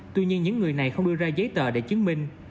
tuy nhiên những người này không đưa ra giấy tờ để chứng minh